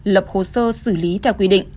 lập khu sơ xử lý theo quy định